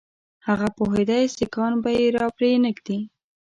هغه پوهېدی سیکهان به یې را پرې نه ږدي.